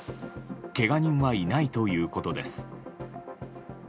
けが人はいないということです。